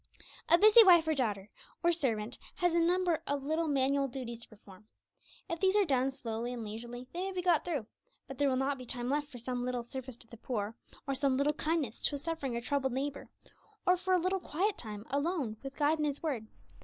A busy wife, or daughter, or servant has a number of little manual duties to perform. If these are done slowly and leisurely, they may be got through, but there will not be time left for some little service to the poor, or some little kindness to a suffering or troubled neighbour, or for a little quiet time alone with God and His word.